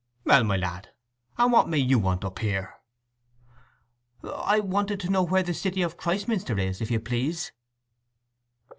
"Well, my lad, and what may you want up here?" "I wanted to know where the city of Christminster is, if you please."